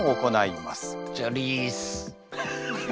チョリース！